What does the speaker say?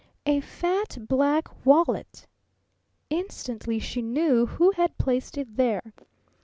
A fat black wallet! Instantly she knew who had placed it there.